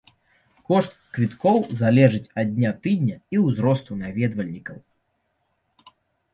Кошт квіткоў залежыць ад дня тыдня і ўзросту наведвальнікаў.